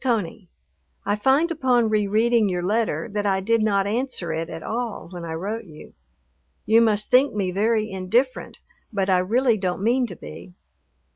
CONEY, I find upon re reading your letter that I did not answer it at all when I wrote you. You must think me very indifferent, but I really don't mean to be.